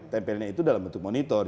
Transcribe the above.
tempelnya itu dalam bentuk monitor